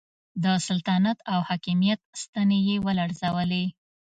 د سلطنت او حاکمیت ستنې یې ولړزولې.